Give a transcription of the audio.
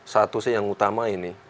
satu sih yang utama ini